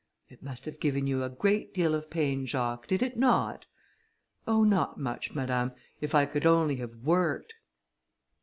"It must have given you a great deal of pain, Jacques, did it not?" "Oh! not much, madame, if I could only have worked!"